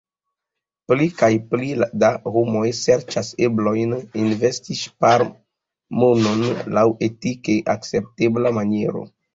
Pli kaj pli da homoj serĉas eblojn investi ŝparmonon laŭ etike akceptebla maniero.